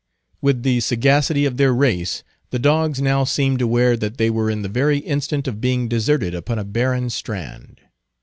With the sagacity of their race, the dogs now seemed aware that they were in the very instant of being deserted upon a barren strand.